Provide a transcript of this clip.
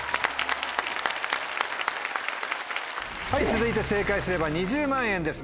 続いて正解すれば２０万円です